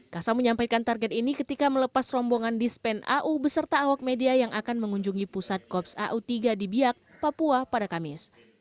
kasam menyampaikan target ini ketika melepas rombongan dispen au beserta awak media yang akan mengunjungi pusat kops au tiga di biak papua pada kamis